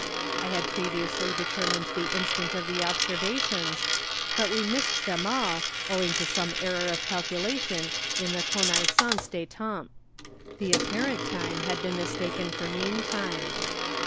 I had previously deter¬ mined the instant of the observations, but we missed them all, owing to some error of calculation in the Connaissance des Temps, The apparent time had been mistaken for mean time.